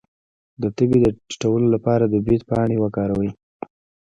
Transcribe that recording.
د تبې د ټیټولو لپاره د بید پاڼې وکاروئ